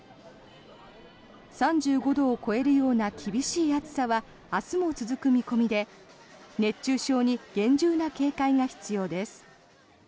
３５度を超えるような厳しい暑さは明日も続く見込みで熱中症に厳重な警戒が必要です。